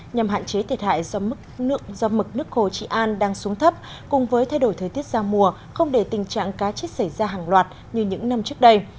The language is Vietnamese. nhằm hạn chế thiệt hại do mực nước hồ trị an đang xuống thấp cùng với thay đổi thời tiết ra mùa không để tình trạng cá chết xảy ra hàng loạt như những năm trước đây